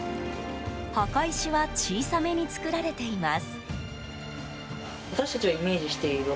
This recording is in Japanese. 墓石は小さめに作られています。